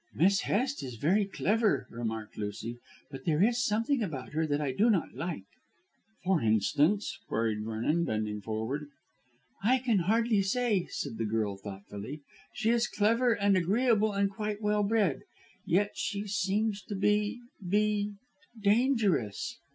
"Miss Hest is very clever," remarked Lucy, "but there is something about her that I do not like." "For instance?" queried Vernon bending forward. "I can hardly say," said the girl thoughtfully. "She is clever and agreeable and quite well bred. Yet she seems to be be dangerous."